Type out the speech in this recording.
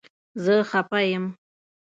زه خپه یم